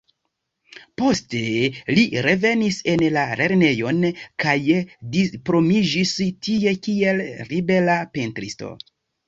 Poste li revenis en la Lernejon kaj diplomiĝis tie kiel libera pentristo.